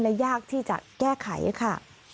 และยากที่จะแก้ไขค่ะ